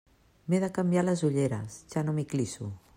M'he de canviar les ulleres, ja no m'hi clisso.